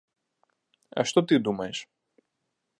А што ты думаеш?